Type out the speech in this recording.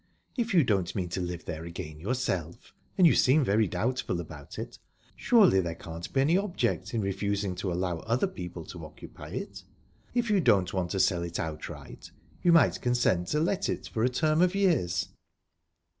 If you don't mean to live there again yourself and you seem very doubtful about it surely there can't be any object in refusing to allow other people to occupy it? if you don't want to sell it outright, you might consent to let it for a term of years?"